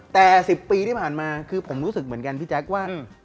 แต่๑๐ปีที่ผ่านมาคือผมรู้สึกเหมือนกันพี่แจ๊คว่า